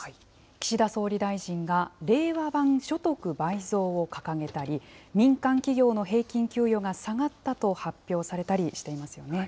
岸田総理大臣が令和版所得倍増を掲げたり、民間企業の平均給与が下がったと発表されたりしていますよね。